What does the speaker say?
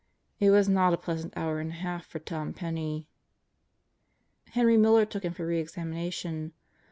It was not a pleasant hour and a half for Tom Penney. Henry Miller took him for re examination.